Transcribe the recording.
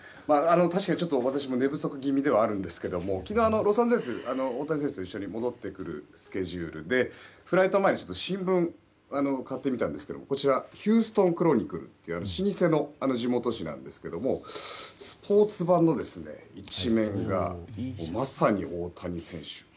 確かにちょっと私も寝不足気味ではあるんですが昨日、ロサンゼルス大谷選手と一緒に戻ってくるスケジュールでフライト前に新聞を買ってみたんですけどヒューストン・クロニクルという老舗の地元紙なんですけどもスポーツ版の１面がまさに大谷選手。